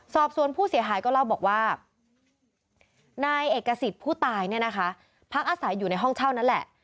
สอบสวนผู้เสียหายก็เล่าบอกว่านายเอกสิทธิ์ผู้ตายเนี่ยนะคะพักอาศัยอยู่ในห้องเช่านั่นแหละ